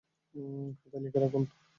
খাতায় লিখে রাখুন।